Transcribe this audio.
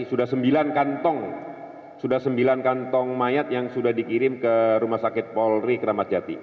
sudah sembilan kantong sudah sembilan kantong mayat yang sudah dikirim ke rumah sakit polri kramat jati